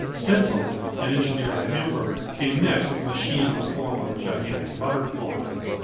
Stentzel, an engineer of Hamburg, came next with a machine in the form of a gigantic butterfly.